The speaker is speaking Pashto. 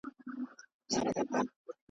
ښايي بیرته سي راپورته او لا پیل کړي سفرونه .